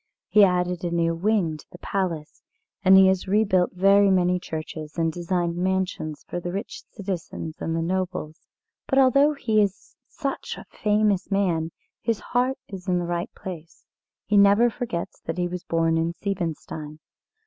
He added a new wing to the Palace, and he has rebuilt very many churches, and designed mansions for the rich citizens and the nobles. But although he is such a famous man his heart is in the right place. He never forgets that he was born in Siebenstein.